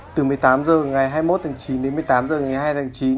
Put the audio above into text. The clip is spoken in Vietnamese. từ một mươi tám h ngày hai mươi một chín đến một mươi tám h ngày hai mươi hai chín